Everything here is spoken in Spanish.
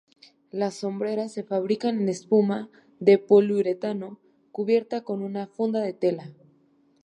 Las hombreras se fabrican en espuma de poliuretano cubierta con una funda de tela.